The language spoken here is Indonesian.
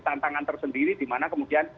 tantangan tersendiri di mana kemudian